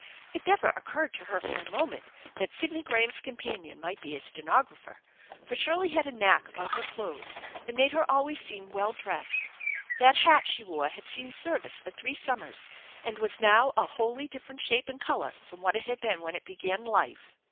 It never occurred to her for a moment that Sidney Gra ham's companion might be a stenographer, for Shirley had a knack about her clothes that made her always seem well dressed. That hat she wore had seen service for three sum mers, and was now a wholly different shape and color from what it had been when it began life.